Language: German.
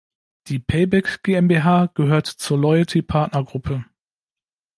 Die Payback GmbH gehört zur Loyalty Partner Gruppe.